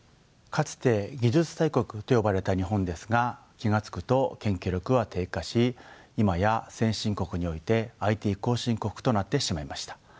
かつて技術大国と呼ばれた日本ですが気が付くと研究力は低下し今や先進国においてＩＴ後進国となってしまいました。